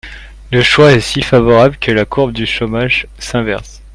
Le choix est si favorable que la courbe du chômage s’inverse